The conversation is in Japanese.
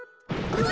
うわ！